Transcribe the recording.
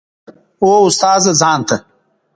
هو استاده ځان ته.